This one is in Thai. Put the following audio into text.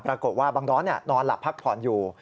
ปรากฏว่าบางร้อนนอนหลับพักผ่อนอยู่